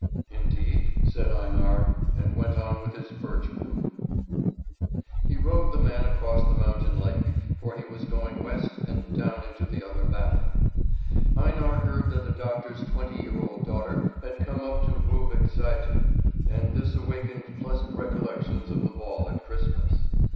"Indeed?" said Einar, and went on with his birch broom. He rowed the man across the mountain lake, for he was going west and down into the other valley. Einar heard that the doctor's twenty year old daughter had come up to Buvik Sæter, and this awakened pleasant recollections of the ball at Christmas.